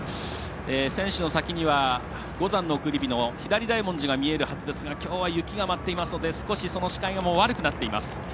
選手の先には、五山の送り火の左大文字が見えるはずですがきょうは雪が舞っているので少し視界も悪くなっています。